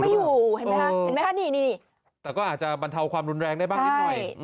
ไม่อยู่เห็นไหมคะเห็นไหมคะนี่แต่ก็อาจจะบรรเทาความรุนแรงได้บ้างนิดหน่อย